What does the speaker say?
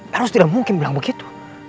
harus tidak mungkin bilang begitu